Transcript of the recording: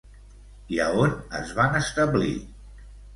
I a on es van establir?